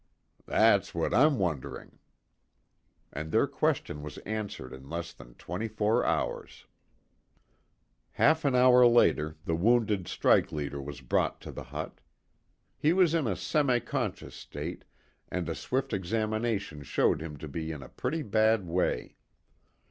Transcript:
"That's what I'm wondering." And their question was answered in less than twenty four hours. Half an hour later the wounded strike leader was brought to the hut. He was in a semi conscious state, and a swift examination showed him to be in a pretty bad way.